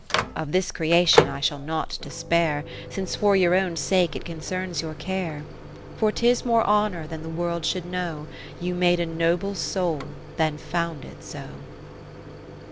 20 Of this creation I shall not despair. Since for your own sake it concerns your care. For 'tis more honour that the world should know You made a noble Soul, than found it so.